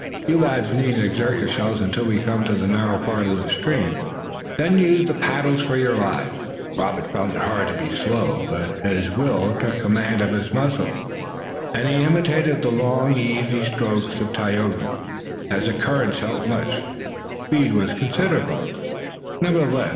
You lads needn't exert yourselves until we come to the narrow part of the stream. Then use the paddles for your lives." Robert found it hard to be slow, but his will took command of his muscles and he imitated the long easy strokes of Tayoga. As the current helped much, their speed was considerable, nevertheless.